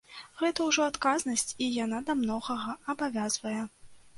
Гэта ўжо адказнасць і яна да многага абавязвае.